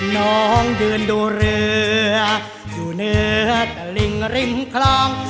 น้องเดือนดูเรือดูเนื้อแต่ลิ้งริ้มคลอง